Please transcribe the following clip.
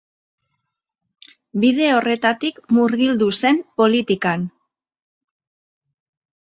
Bide horretatik murgildu zen politikan.